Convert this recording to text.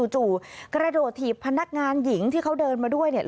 จู่กระโดดถีบพนักงานหญิงที่เขาเดินมาด้วยเนี่ย